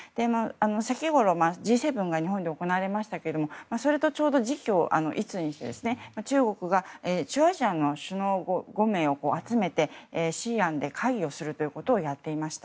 先ごろＧ７が日本で行われましたがそれと時期を一にして中央アジアの首脳５名を集めてシリアで会議をすることをやっていました。